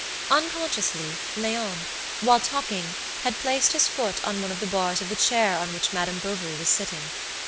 Unconsciously, Léon, while talking, had placed his foot on one of the bars of the chair on which Madame Bovary was sitting.